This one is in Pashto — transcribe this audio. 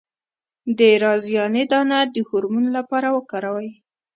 د رازیانې دانه د هورمون لپاره وکاروئ